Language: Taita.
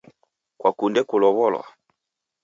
Kwakunde kulow'olwa?